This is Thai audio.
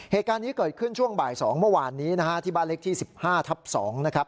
เหตุการณ์นี้เกิดขึ้นช่วงบ่าย๒เมื่อวานนี้นะฮะที่บ้านเล็กที่๑๕ทับ๒นะครับ